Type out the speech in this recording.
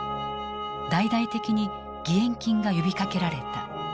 大々的に義援金が呼びかけられた。